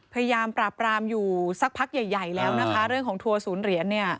พยายามปราบรามอยู่สักพักใหญ่ใหญ่แล้วนะคะเรื่องของทัวร์ศูนย์เหรียญเนี่ย